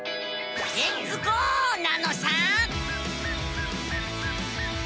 レッツゴー！なのさ。